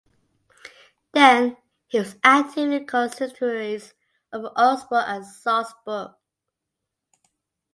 Then he was active in the consistories of Augsburg and Salzburg.